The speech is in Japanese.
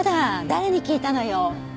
誰に聞いたのよ？